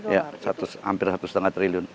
ya hampir satu lima triliun